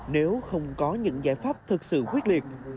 nếu không có những giải pháp thực sự quyết liệt